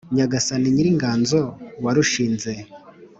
Nyagasani nyiringanzo warushinze